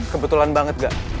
kebetulan banget gak